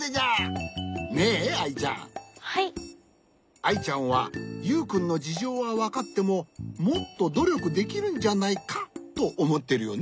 アイちゃんはユウくんのじじょうはわかってももっとどりょくできるんじゃないかとおもってるよね。